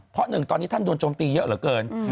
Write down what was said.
เพราะหนึ่งตอนนี้ท่านโดนโจมตีเยอะเหลือเกิน